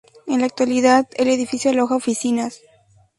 En la actualidad, el edificio aloja oficinas.